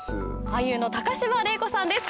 俳優の高島礼子さんです。